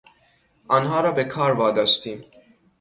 آنها را به کار واداشتیم.